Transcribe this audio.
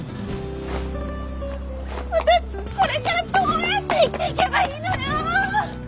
私これからどうやって生きていけばいいのよ！